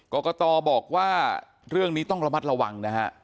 กรกตบอกว่าเรื่องนี้ต้องระมัดระวังนะฮะ